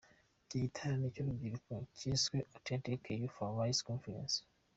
Iki giterane cy'urubyiruko cyiswe 'Authentic Youth Arise Conference'.